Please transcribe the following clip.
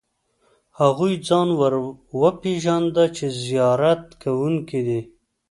هغوی ځان ور وپېژاند چې زیارت کوونکي دي.